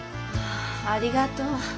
ありがとう。